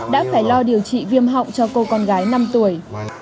đã phải lo điều trị viêm họng cho cô con gái năm tuổi